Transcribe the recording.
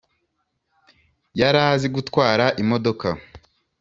yarazi gutwara imodoka).